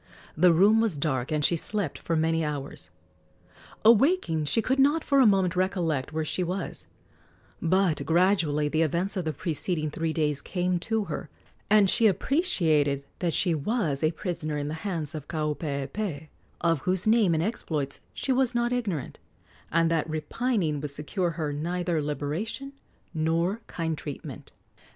The room was dark, and she slept for many hours. Awaking, she could not for a moment recollect where she was; but gradually the events of the preceding three days came to her, and she appreciated that she was a prisoner in the hands of Kaupeepee, of whose name and exploits she was not ignorant, and that repining would secure her neither liberation nor kind treatment.